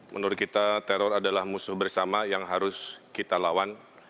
menurut kita teror adalah musuh bersama yang harus kita lawan